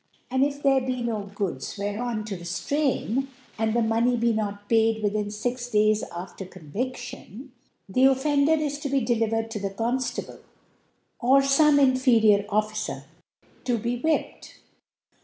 And if there be no Goods whereon to di ftrain, and the Money be not paid within fix Days after Convi<5tion, the Offender is to be delivered to the Conftable, or fome inferior Officer, to be whipped.